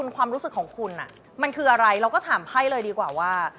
ความรู้สึกของคุณมันคืออะไรเราก็ถามไพ่เลยดีกว่าว่า